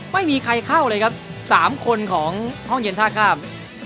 ไม่มีใครเข้าเลยครับ๓คนของห้องเย็นท่าข้าม